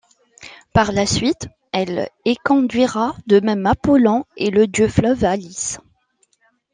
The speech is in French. Par la suite, elle éconduira de même Apollon et le dieu fleuve Halys.